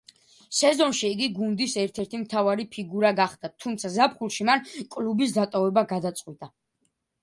სეზონში იგი გუნდის ერთ-ერთი მთავარი ფიგურა გახდა, თუმცა ზაფხულში მან კლუბის დატოვება გადაწყვიტა.